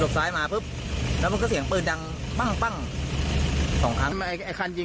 เลี่ยวซ้ายมาแล้วมันก็เสียงเปิดดังปั้งปั้งสองครั้งไอ้ไอ้คันยิง